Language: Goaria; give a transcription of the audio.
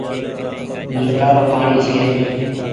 نلڪآ رو پآڻيٚ ڇي۔